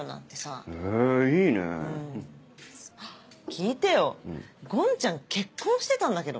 聞いてよごんちゃん結婚してたんだけど。